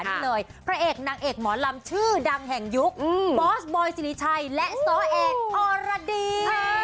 นี่เลยพระเอกนางเอกหมอลำชื่อดังแห่งยุคบอสบอยสิริชัยและซ้อเอกอรดี